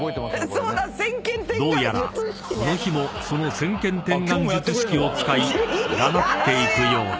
［どうやらこの日もその先見天眼術式を使い占っていくようだ］